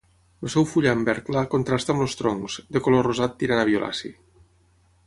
El seu fullam verd clar contrasta amb els troncs, de color rosat tirant a violaci.